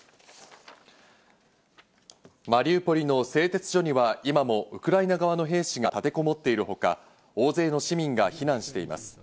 マリウポリの製鉄所には今も、ウクライナ側の兵士が立てこもっているほか、大勢の市民が避難しています。